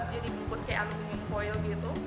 jadi dikukus kayak alun foil gitu